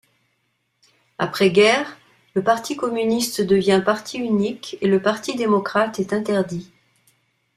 Après-guerre, le Parti communiste devient parti unique et le Parti démocrate est interdit.